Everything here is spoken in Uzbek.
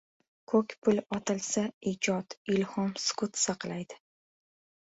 Ko‘k pul otilsa, ijod, ilhom sukut saqlaydi!